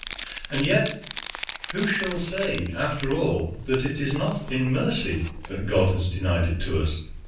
"And yet who shall say, after all, that it is not in mercy that God has denied it to us?